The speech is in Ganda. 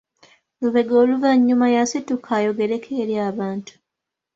Lubega oluvannyuma yasituka ayogereko eri abantu.